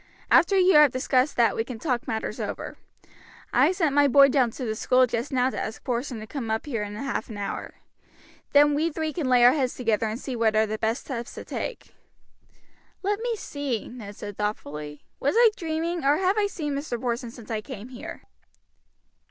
After you have discussed that we can talk matters over. I sent my boy down to the school just now to ask Porson to come up here in half an hour. Then we three can lay our heads together and see what are the best steps to take." "Let me see," Ned said thoughtfully. "Was I dreaming, or have I seen Mr. Porson since I came here?"